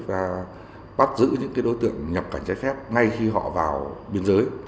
và bắt giữ những đối tượng nhập cảnh trái phép ngay khi họ vào biên giới